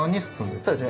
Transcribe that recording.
そうですね